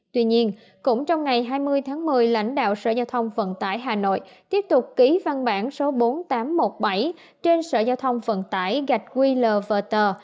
tuy nhiên cũng trong ngày hai mươi tháng một mươi lãnh đạo sở giao thông vận tải hà nội tiếp tục ký văn bản số bốn nghìn tám trăm một mươi bảy trên sở giao thông vận tải gạch qlverter